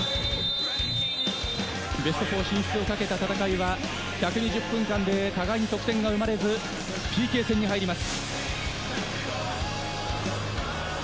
ベスト４進出を懸けた戦いは１２０分間で互いに得点が生まれず、ＰＫ戦に入ります。